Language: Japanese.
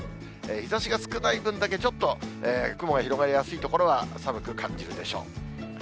日ざしが少ない分だけ、ちょっと雲が広がりやすい所は、寒く感じるでしょう。